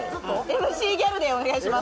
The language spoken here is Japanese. ＭＣギャルでお願いします。